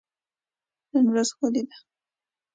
نن ورځ ښکلي ده.